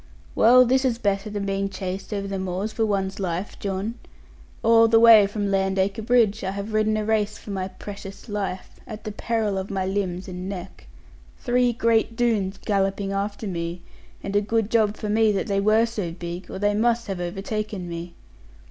Well, this is better than being chased over the moors for one's life, John. All the way from Landacre Bridge, I have ridden a race for my precious life, at the peril of my limbs and neck. Three great Doones galloping after me, and a good job for me that they were so big, or they must have overtaken me.